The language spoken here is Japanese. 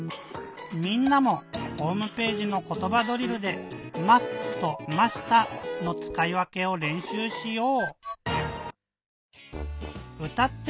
みんなもホームページの「ことばドリル」で「ます」と「ました」のつかいわけをれんしゅうしよう。